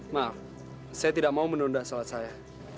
maaf saya tidak mau menunda sholat saya